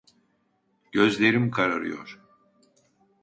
Gözlerim kararıyor.